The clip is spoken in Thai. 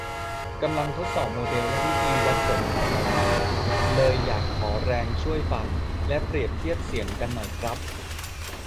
กำลังทดสอบโมเดลและวิธีวัดผลอัตโนมัติ เลยอยากขอแรงช่วยฟังและเปรียบเทียบเสียงกันหน่อยครับ